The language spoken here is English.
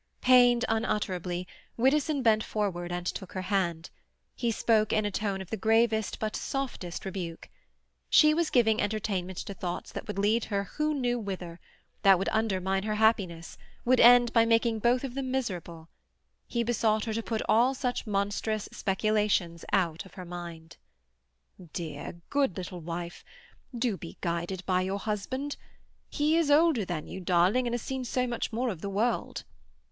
Pained unutterably, Widdowson bent forward and took her hand. He spoke in a tone of the gravest but softest rebuke. She was giving entertainment to thoughts that would lead her who knew whither, that would undermine her happiness, would end by making both of them miserable. He besought her to put all such monstrous speculations out of her mind. "Dear, good little wife! Do be guided by your husband. He is older than you, darling, and has seen so much more of the world."